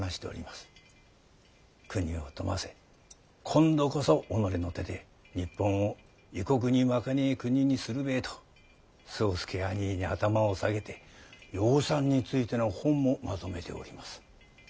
国を富ませ今度こそ己の手で日本を異国に負けねぇ国にするべぇと宗助あにぃに頭を下げて養蚕についての本もまとめております。